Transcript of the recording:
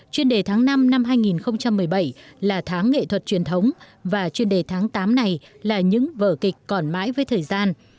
chuyên đề tháng năm năm hai nghìn một mươi bảy là tháng nghệ thuật truyền thống và chuyên đề tháng tám này là những vở kịch còn mãi với thời gian